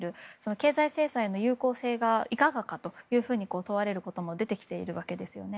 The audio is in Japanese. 経済制裁の有効性がいかがなものかと問われることも出てきているわけですよね。